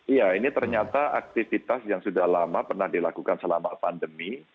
iya ini ternyata aktivitas yang sudah lama pernah dilakukan selama pandemi